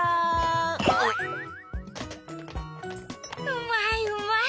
うまいうまい。